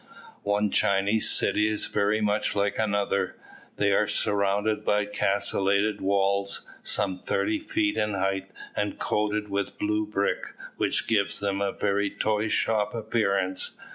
One Chinese city is very much like another. They are surrounded by castellated walls, some thirty feet in height, and coated with blue brick, which gives them a very toyshop appearance.